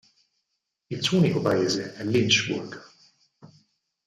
Il suo unico paese è Lynchburg.